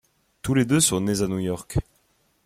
Tous les deux sont nés à New York.